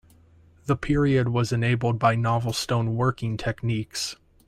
The period was enabled by novel stone working techniques.